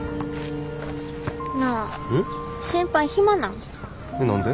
なあ審判暇なん？